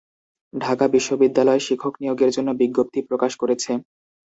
ঢাকা বিশ্ববিদ্যালয় শিক্ষক নিয়োগের জন্য বিজ্ঞপ্তি প্রকাশ করেছে।